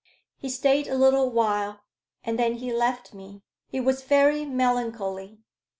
He stayed a little while, and then he left me. He was very melancholy.